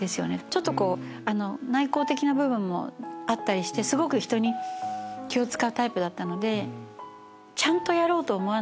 ちょっと内向的な部分もあったりしてすごく人に気を使うタイプだったので。